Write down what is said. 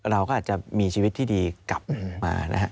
เราก็อาจจะมีชีวิตที่ดีกลับมานะฮะ